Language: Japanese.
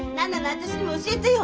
私にも教えてよ。